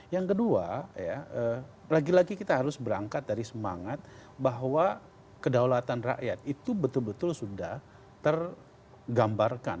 yang kedua ya lagi lagi kita harus berangkat dari semangat bahwa kedaulatan rakyat itu betul betul sudah tergambarkan